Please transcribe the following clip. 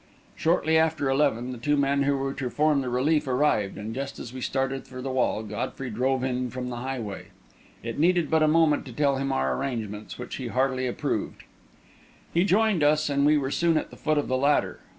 Shortly after eleven, the two men who were to form the relief arrived, and just as we started for the wall, Godfrey drove in from the highway. It needed but a moment to tell him of our arrangements, which he heartily approved. He joined us, and we were soon at the foot of the ladder.